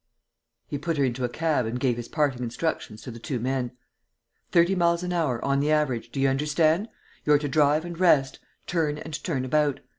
He put her into a cab and gave his parting instructions to the two men: "Thirty miles an hour, on the average, do you understand? You're to drive and rest, turn and turn about.